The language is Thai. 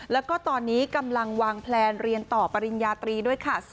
แล้วก็ตอนนี้กำลังวางแพลนเรียนต่อปริญญาตรีด้วยค่ะ